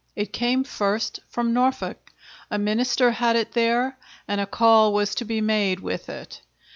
It came first from Norfolk; a minister had it there, and a call was to be made with it.